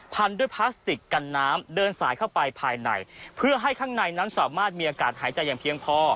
พันด้วยพลาสติกกันน้ำเดินสายเข้าไปภายในเพื่อให้ข้างในนั้นสามารถมีอากาศหายใจอย่างเพียงพอ